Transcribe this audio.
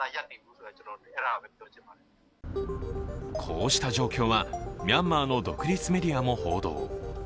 こうした状況はミャンマーの独立メディアも報道。